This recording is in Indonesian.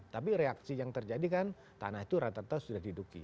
tapi reaksi yang terjadi kan tanah itu rata rata sudah diduki